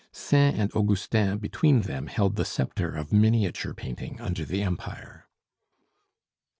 Sain and Augustin between them held the sceptre of miniature painting under the Empire.